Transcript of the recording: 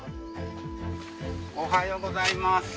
おはようございます。